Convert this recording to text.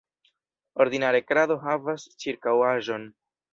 Ordinare krado havas ĉirkaŭaĵon.